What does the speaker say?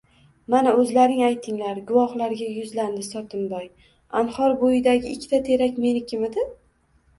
Mana oʻzlaring aytinglar, – guvohlarga yuzlandi Sotimboy, – anhor boʻyidagi ikkita terak menikimidi?